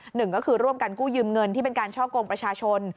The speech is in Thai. หนึ่งก็คือร่วมกันกู้ยืมเงินที่เป็นการช่อกงประชาชน